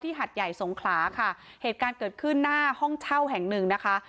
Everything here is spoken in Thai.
หัดใหญ่สงขลาค่ะเหตุการณ์เกิดขึ้นหน้าห้องเช่าแห่งหนึ่งนะคะ